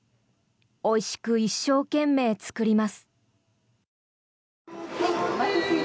おいしく一生懸命作ります。